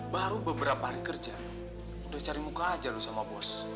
baru beberapa hari kerja sudah cari muka saja kamu sama bos